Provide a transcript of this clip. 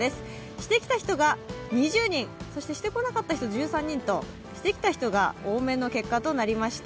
してきた人が２０人、してこなかった人が１３人としてきた人が多めの結果となりました。